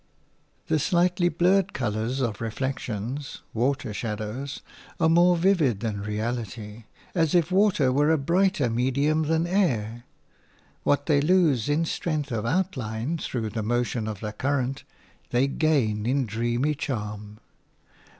The slightly blurred colours of reflections – water shadows – are more vivid than reality, as if water were a brighter medium than air; what they lose in strength of outline through the motion of the current, they gain in dreamy charm.